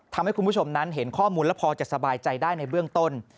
คุณผู้ชมนั้นเห็นข้อมูลแล้วพอจะสบายใจได้ในเบื้องต้น